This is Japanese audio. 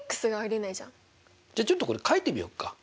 じゃちょっとこれ書いてみよっか。